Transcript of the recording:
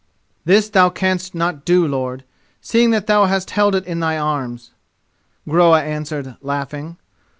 "This thou canst not do, lord, seeing that thou hast held it in thy arms," Groa answered, laughing.